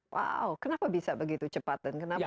wow kenapa bisa begitu cepat